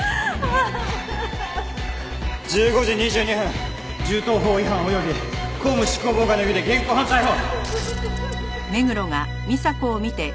１５時２２分銃刀法違反及び公務執行妨害の容疑で現行犯逮捕！